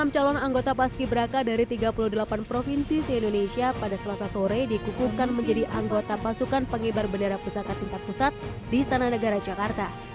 enam calon anggota paski beraka dari tiga puluh delapan provinsi di indonesia pada selasa sore dikukuhkan menjadi anggota pasukan pengibar bendera pusaka tingkat pusat di istana negara jakarta